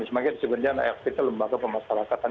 sebenarnya sebenarnya air fitur lembaga pemasarakatan